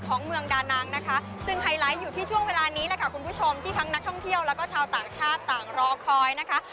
ของเมืองดานังนะคะซึ่งไฮไลท์อยู่ที่ช่วงเวลานี้แหละค่ะคุณผู้ชมที่ทั้งนักท่องเที่ยวแล้วก็ชาวต่างชาติต่างรอคอยนะคะ